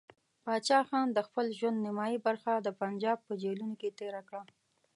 پاچا خان د خپل ژوند نیمایي برخه د پنجاب په جیلونو کې تېره کړه.